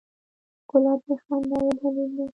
ګلاب د خندا یو دلیل دی.